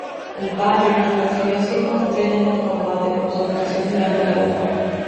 El "Badger" recibió cinco estrellas de combate por su actuación durante la guerra.